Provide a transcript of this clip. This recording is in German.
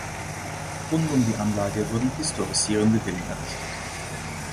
Rund um die Anlage wurden historisierende Villen errichtet.